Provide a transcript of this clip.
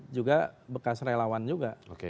juga bekas relawan juga